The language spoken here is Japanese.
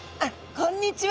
こんにちは！